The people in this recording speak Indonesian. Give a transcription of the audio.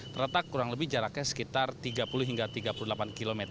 terletak kurang lebih jaraknya sekitar tiga puluh hingga tiga puluh delapan km